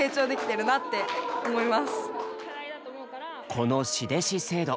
この「師弟子制度」。